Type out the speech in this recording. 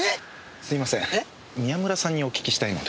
すいません宮村さんにお訊きしたいので。